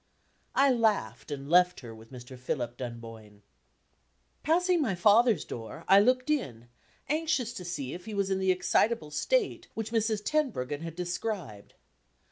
I laughed, and left her with Mr. Philip Dunboyne. Passing my father's door, I looked in, anxious to see if he was in the excitable state which Mrs. Tenbruggen had described.